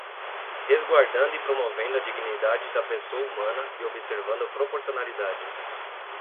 resguardando e promovendo a dignidade da pessoa humana e observando a proporcionalidade